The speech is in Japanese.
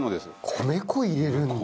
米粉入れるんだ。